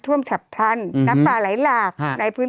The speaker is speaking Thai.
โทษทีน้องโทษทีน้อง